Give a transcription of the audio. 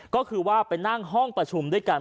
ก็คือว่าไปนั่งห้องประชุมด้วยกัน